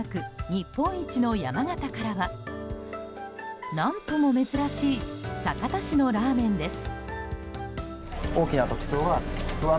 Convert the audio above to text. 日本一の山形からは何とも珍しい酒田市のラーメンです。